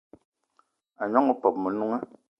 A gnong opeup o Menunga